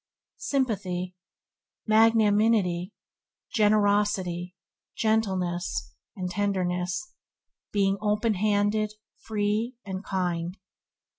Sympathy – Magnanimity, generosity, gentleness, and tenderness; being open handed, free, and kind.